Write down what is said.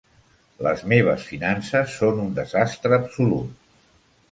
Les meves finances són un desastre absolut.